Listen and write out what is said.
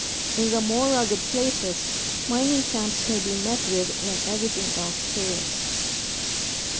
In the more rugged places mining camps may be 'met with when everything else fails.